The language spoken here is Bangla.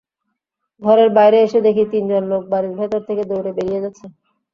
ঘরের বাইরে এসে দেখি তিনজন লোক বাড়ির ভেতর থেকে দৌড়ে বেরিয়ে যাচ্ছে।